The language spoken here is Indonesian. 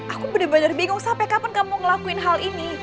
aku benar benar bingung sampai kapan kamu ngelakuin hal ini